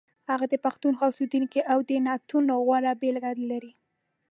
هغه د پښتونخوا اوسیدونکی او د نعتونو غوره بېلګې لري.